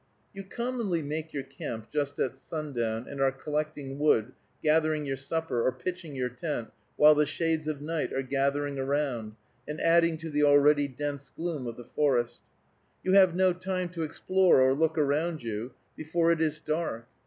You commonly make your camp just at sundown, and are collecting wood, getting your supper, or pitching your tent while the shades of night are gathering around and adding to the already dense gloom of the forest. You have no time to explore or look around you before it is dark.